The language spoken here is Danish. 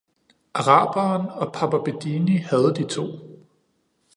Araberen og Papa Bedini havde de to.